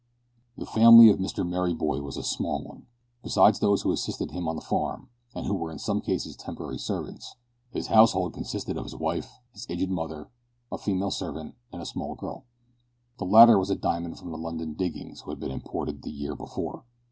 The family of Mr Merryboy was a small one. Besides those who assisted him on the farm and who were in some cases temporary servants his household consisted of his wife, his aged mother, a female servant, and a small girl. The latter was a diamond from the London diggings, who had been imported the year before.